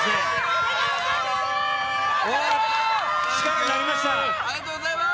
おーっ、ありがとうございます！